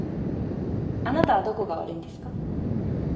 あなたはどこが悪いんですか？